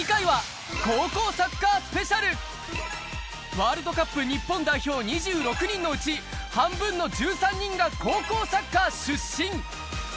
ワールドカップ日本代表２６人のうち、半分の１３人が高校サッカー出身。